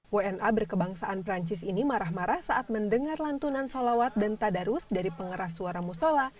wna berkebangsaan perancis ini marah marah saat mendengar lantunan solawat dan tadarus dari pengeras suara musola